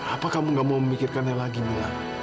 apa kamu gak mau memikirkannya lagi mila